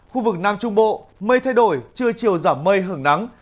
khu vực nam trung bộ mây thay đổi trưa chiều giảm mây hưởng nắng